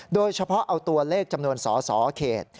โดยเฉพาะเอาตัวเลขจำนวนสสเขต